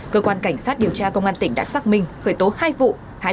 cơ quan cảnh sát điều tra công an tỉnh đã xác minh khởi tố hai vụ